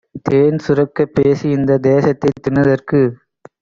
தேன்சுரக்கப் பேசிஇந்த தேசத்தைத் தின்னுதற்கு